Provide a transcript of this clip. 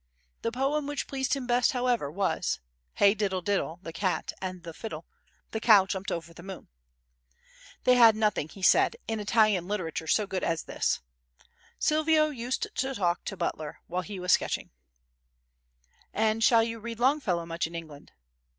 The poem which pleased him best, however, was: Hey diddle diddle, The Cat and the Fiddle, The Cow jumped over the Moon. They had nothing, he said, in Italian literature so good as this. Silvio used to talk to Butler while he was sketching. "And you shall read Longfellow much in England?"